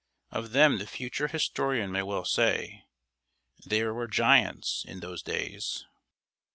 Of them the future historian may well say: "There were giants in those days."